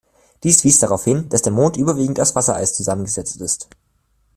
Dies weist darauf hin, dass der Mond überwiegend aus Wassereis zusammengesetzt ist.